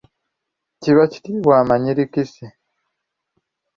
Kiba kiyitibwa amanyirikisi.